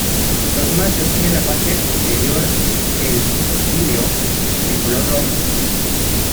Los machos tienen la parte posterior del píleo de color rojo.